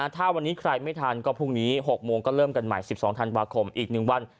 ถ้าวันนี้ใครไม่ทันก็พรุ่งนี้๖โมงก็เริ่มกันใหม่๑๒ธันวาคมอีก๑วัน